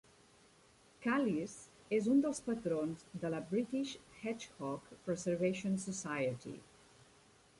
Challis és un dels patrons de la British Hedgehog Preservation Society.